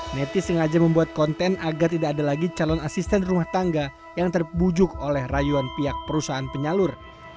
neti sengaja membuat konten agar tidak ada lagi calon asisten rumah tangga yang terbujuk oleh rayuan pihak perusahaan penyalur